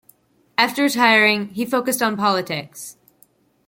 After retiring, he focused on politics.